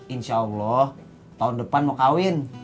insya allah tahun depan mau kawin